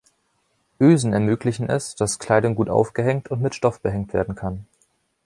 Ösen ermöglichen es, dass Kleidung gut aufgehängt und mit Stoff behängt werden kann.